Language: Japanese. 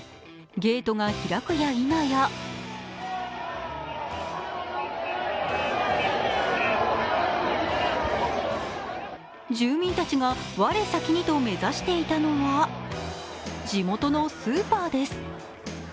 ゲートが開くやいなや住民たちが我先にと目指していたのは、地元のスーパーです。